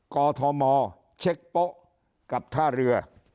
กอทมเช็คโป๊ะกับท่าเรือ